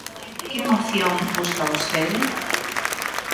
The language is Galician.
Que emoción busca vostede?